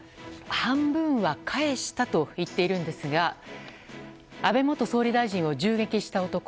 半分は返したと言っているんですが安倍元総理大臣を銃撃した男。